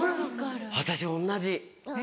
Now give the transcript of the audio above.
私同じ。